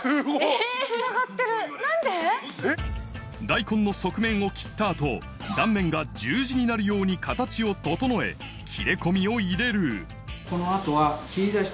大根の側面を切った後断面が十字になるように形を整え切れ込みを入れるこの後は。